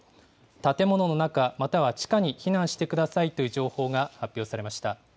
建物の中、または地下に避難してくださいという情報が発表されました。